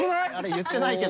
言ってないけど。